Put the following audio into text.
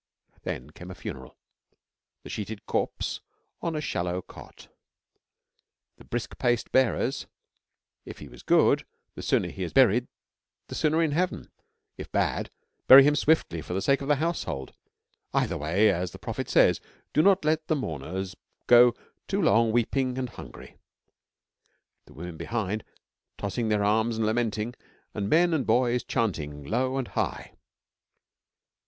Then came a funeral the sheeted corpse on the shallow cot, the brisk pacing bearers (if he was good, the sooner he is buried the sooner in heaven; if bad, bury him swiftly for the sake of the household either way, as the Prophet says, do not let the mourners go too long weeping and hungry) the women behind, tossing their arms and lamenting, and men and boys chanting low and high.